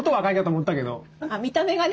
あっ見た目がね。